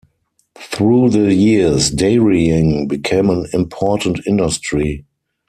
Through the years, dairying became an important industry.